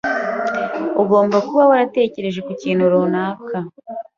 Ugomba kuba waratekereje ku kintu runaka.